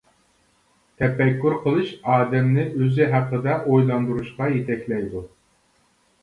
تەپەككۇر قىلىش ئادەمنى ئۆزى ھەققىدە ئويلاندۇرۇشقا يېتەكلەيدۇ.